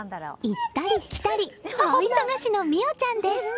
行ったり来たり大忙しの未桜ちゃんです。